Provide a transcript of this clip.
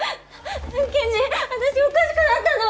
健二私おかしくなったの！？